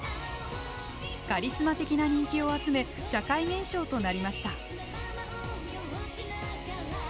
カリスマ的な人気を集め社会現象となりました。